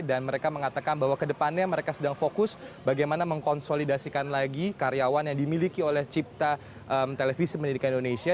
dan mereka mengatakan bahwa ke depannya mereka sedang fokus bagaimana mengkonsolidasikan lagi karyawan yang dimiliki oleh cipta televisi pendidikan indonesia